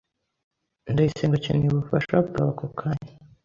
Ndayisenga akeneye ubufasha bwawe ako kanya.